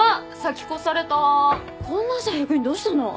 こんな朝早くにどうしたの？